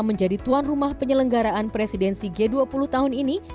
menjadi tuan rumah penyelenggaraan presidensi g dua puluh tahun ini